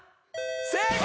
正解！